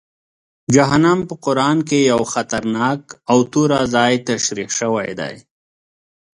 جهنم په قرآن کې یو خطرناک او توره ځای تشریح شوی دی.